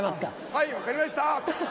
はい分かりました！